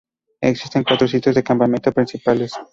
Existen cuatro sitios de campamento principales.